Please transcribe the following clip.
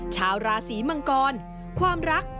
ชาวราศีมังกรความรัก